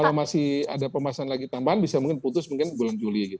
kalau masih ada pembahasan lagi tambahan bisa mungkin putus mungkin bulan juli